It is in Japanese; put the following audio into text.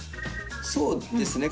そうですね。